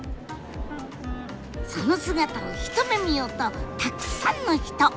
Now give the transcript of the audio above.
その姿を一目見ようとたくさんの人！